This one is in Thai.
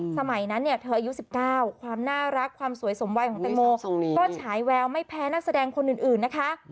สมัยนั้นเนี่ยเธออายุ๑๙ความน่ารักความสวยสมวัยของแตงโมก็ฉายแววไม่แพ้นักแสดงคนอื่นนะคะ